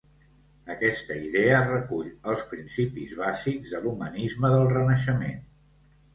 Aquesta idea recull els principis bàsics de l'humanisme del Renaixement.